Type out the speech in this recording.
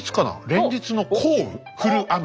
「連日の降雨」降る雨。